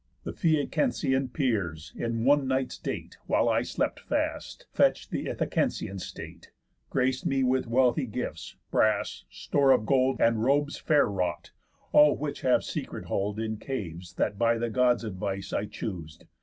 The Phæacensian peers, in one night's date, While I fast slept, fetch'd th' Ithacensian state, Grac'd me with wealthy gifts, brass, store of gold, And robes fair wrought; all which have secret hold In caves that by the Gods' advice I chus'd.